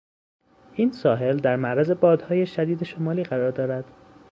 این ساحل در معرض بادهای شدید شمالی قرار دارد.